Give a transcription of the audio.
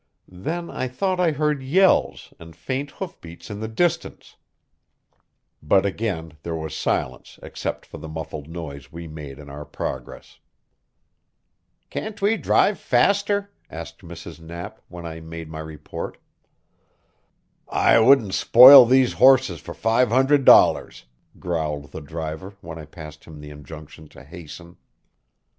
Then I thought I heard yells and faint hoof beats in the distance, but again there was silence except for the muffled noise we made in our progress. "Can't we drive faster?" asked Mrs. Knapp, when I made my report. "I wouldn't spoil these horses for five hundred dollars," growled the driver when I passed him the injunction to hasten.